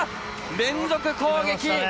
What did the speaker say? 連続攻撃。